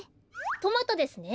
トマトですね。